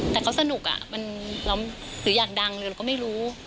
แต่เขาสนุกหรืออยากดังเลยเราก็ไม่รู้